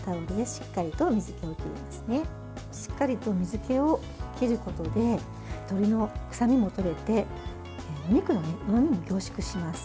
しっかりと水けを切ることで鶏の臭みも取れてお肉のうまみも凝縮します。